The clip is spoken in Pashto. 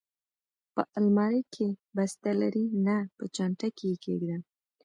په المارۍ کې، بسته لرې؟ نه، په چانټه کې یې کېږده.